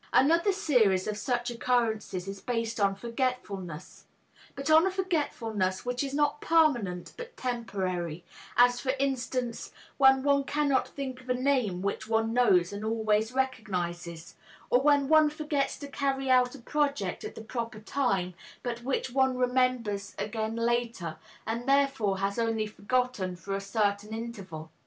Another series of such occurrences is based on forgetfulness but on a forgetfulness which is not permanent, but temporary, as for instance when one cannot think of a name which one knows and always recognizes; or when one forgets to carry out a project at the proper time but which one remembers again later, and therefore has only forgotten for a certain interval.